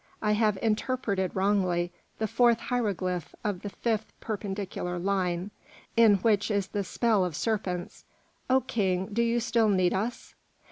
I have interpreted wrongly the fourth hieroglyph of the fifth perpendicular line in which is the spell of serpents. O King, do you still need us?"